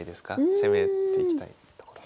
攻めていきたいところ。